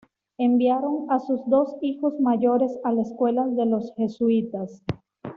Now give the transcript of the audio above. Enviaron a sus dos hijos mayores a la escuela de los jesuitas.